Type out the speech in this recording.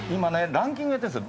ランキングやってんですよ。